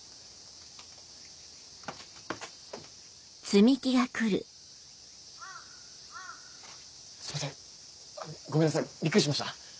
すいませんごめんなさいびっくりしました？